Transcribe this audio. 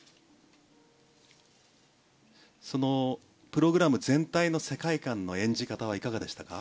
プログラム全体の世界観の演じ方はいかがでしたか？